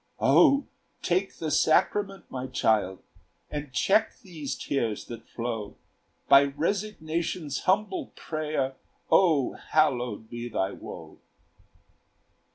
"O take the sacrament, my child, And check these tears that flow; By resignation's humble prayer, O hallowed be thy woe!"